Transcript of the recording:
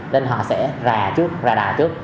nên họ sẽ rà trước rà đào trước